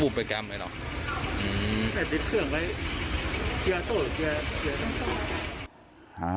วูบไปแกรมไงหรออืมถ้าติดเครื่องไว้เชียร์โต้หรือเชียร์ต่อ